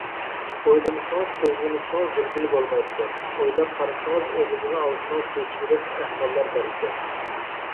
ئويلىمىسىڭىز، سۆزلىمىسىڭىز بىلگىلى بولمايدىكەن، ئويلاپ قارىسىڭىز، ئېغىزغا ئالسىڭىز چۆچۈگىدەك ئەھۋاللار بار ئىكەن.